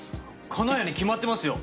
金谷に決まってますよ。